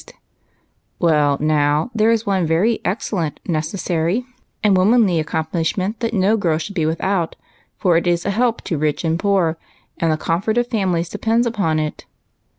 BREAD AND BUTTON HOLES, 181 " Well, now, there is one very excellent, necessary, and womanly accomplishment that no girl should be without, for it is a help to rich and j^oor, and the com fort of families depends upon it.